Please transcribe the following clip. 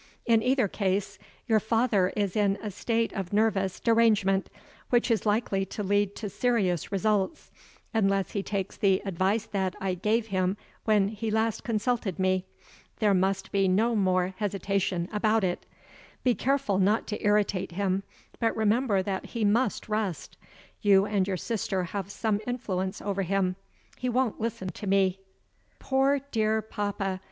In either case, your father is in a state of nervous derangement, which is likely to lead to serious results unless he takes the advice that I gave him when he last consulted me. There must be no more hesitation about it. Be careful not to irritate him but remember that he must rest. You and your sister have some influence over him; he won't listen to me." Poor dear papa!